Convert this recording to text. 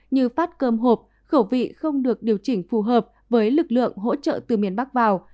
như phát cơm hộp khẩu vị không được điều chỉnh phù hợp với lực lượng hỗ trợ từ miền bắc vào